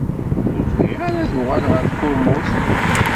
Ur bɣiɣ ara ad uɣaleɣ ɣer tkurmut.